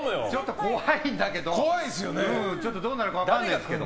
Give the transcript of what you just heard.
ちょっと怖いんだけどどうなるか分からないんですけど。